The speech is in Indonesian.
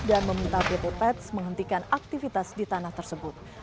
dan meminta depotets menghentikan aktivitas di tanah tersebut